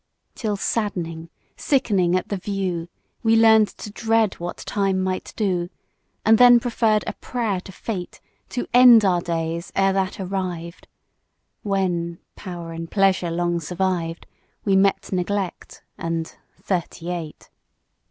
Till saddening, sickening at the view We learn'd to dread what Time might do; And then preferr'd a prayer to Fate To end our days ere that arrived; When (power and pleasure long survived) We met neglect and Thirty eight.